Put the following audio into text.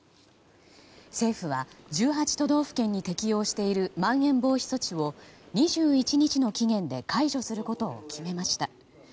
政府は１８都道府県に適用しているまん延防止措置を２１日の期限で解除することを決めました。